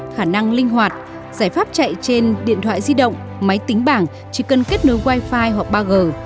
khả năng linh hoạt giải pháp chạy trên điện thoại di động máy tính bảng chỉ cần kết nối wifi hoặc ba g